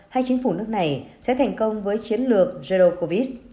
hay chính phủ nước này sẽ thành công với chiến lược dây đô covid